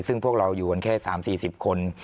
ซึ่งพวกเราอยู่กันแค่๓๔๐คน